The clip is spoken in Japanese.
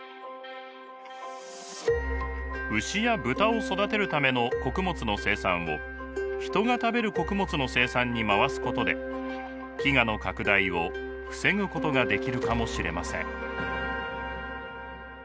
牛や豚を育てるための穀物の生産を人が食べる穀物の生産に回すことで飢餓の拡大を防ぐことができるかもしれません。